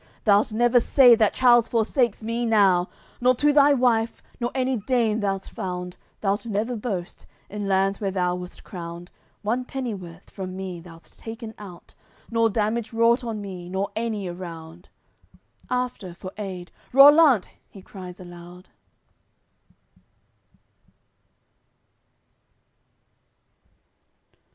Thou'lt never say that Charles forsakes me now; Nor to thy wife, nor any dame thou'st found, Thou'lt never boast, in lands where thou wast crowned, One pennyworth from me thou'st taken out, Nor damage wrought on me nor any around." After, for aid, "Rollant!" he cries aloud.